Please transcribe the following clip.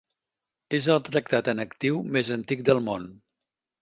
És el tractat en actiu més antic del món.